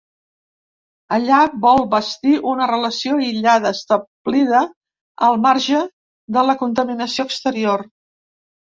Allà vol bastir una relació aïllada, establida al marge de la contaminació exterior.